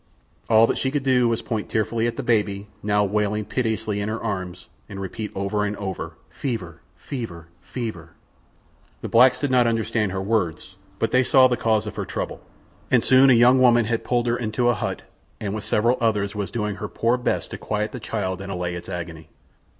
All that she could do was to point tearfully at the baby, now wailing piteously in her arms, and repeat over and over, "Fever—fever—fever." The blacks did not understand her words, but they saw the cause of her trouble, and soon a young woman had pulled her into a hut and with several others was doing her poor best to quiet the child and allay its agony.